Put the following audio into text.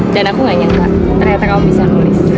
dan aku gak nyangka ternyata kamu bisa nulis